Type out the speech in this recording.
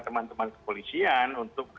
teman teman kepolisian untuk